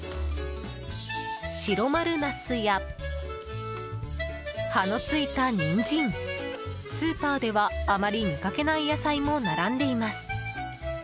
白丸ナスや、葉のついたニンジンスーパーではあまり見かけない野菜も並んでいます。